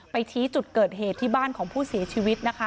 ชี้จุดเกิดเหตุที่บ้านของผู้เสียชีวิตนะคะ